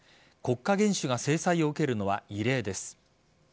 国家元首が制裁を受けるのは異例です。